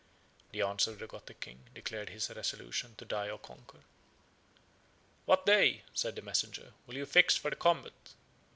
The answer of the Gothic king declared his resolution to die or conquer. "What day," said the messenger, "will you fix for the combat?"